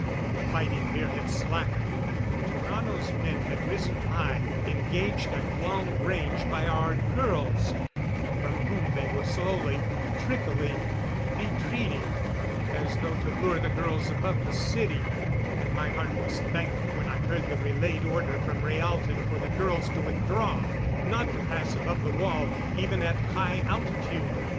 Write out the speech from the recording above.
The fighting here had slackened; Tarrano's men had risen high, engaged at long range by our girls, from whom they were slowly, trickily retreating as though to lure the girls above the city; and my heart was thankful when I heard the relayed order from Rhaalton for the girls to withdraw not to pass above the wall, even at high altitude.